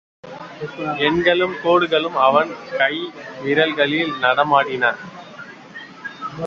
எண்களும் கோடுகளும் அவன் கைவிரல்களில் நடனமாடின.